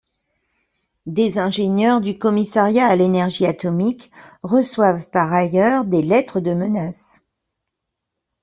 Des ingénieurs du Commissariat à l'énergie atomique reçoivent par ailleurs des lettres de menace.